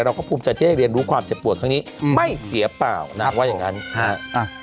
เราก็ภูมิใจที่ได้เรียนรู้ความเจ็บปวดครั้งนี้ไม่เสียเปล่านางว่าอย่างงั้นฮะ